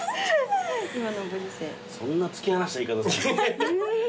そんな突き放した言い方せんでも。